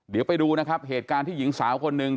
เดี๋ยวไปดูนะครับเหตุการณ์ที่หญิงสาวคนหนึ่ง